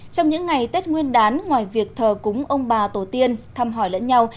trong những ngày tết nguyên đán ngoài việc thờ cúng ông bà tổ tiên thăm hỏi lẫn nhau